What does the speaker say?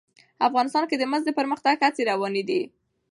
افغانستان کې د مس د پرمختګ هڅې روانې دي.